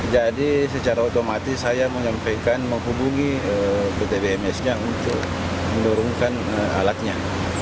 jadi secara otomatis saya menyampaikan menghubungi pt bms nya untuk mendorongkan alatnya